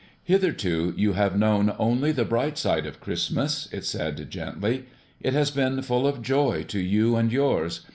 "Hitherto you have known only the bright side of Christmas," it said gently. "It has been full of joy to you and yours.